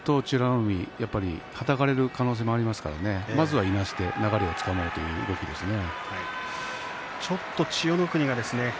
海が突っ張りはたかれる可能性がありますからまずはいなして流れをつかむという動きでしたね。